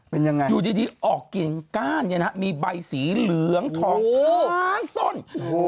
เป็นยังไงอยู่ดีออกกิ่งก้านเนี่ยนะมีใบสีเหลืองทองทั้งต้น